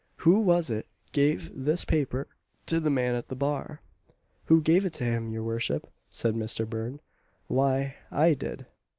"Who was it gave this paper to the man at the bar?" "Who gave it to him, your worship?" said Mister Burn, "Why, I did."